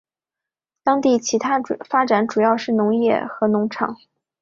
当地其它发展主要是农业和农场。